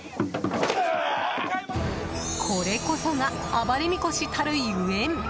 これこそが暴れみこしたるゆえん。